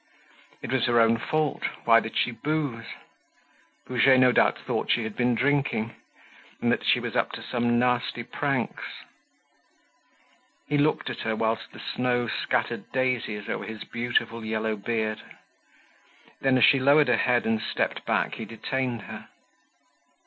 It was her own fault, why did she booze? Goujet no doubt thought she had been drinking, and that she was up to some nasty pranks. He looked at her while the snow scattered daisies over his beautiful yellow beard. Then as she lowered her head and stepped back he detained her.